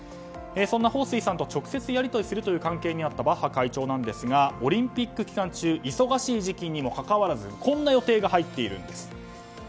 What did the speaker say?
そんなホウ・スイさんと直接やり取りをする関係にあったバッハ会長ですがオリンピック期間中忙しい時期にもかかわらずこんな予定が入っているんです。